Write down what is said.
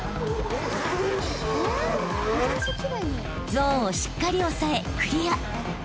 ［ゾーンをしっかり押さえクリア］